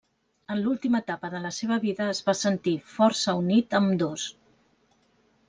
En l'última etapa de la seva vida es va sentir força unit a ambdós.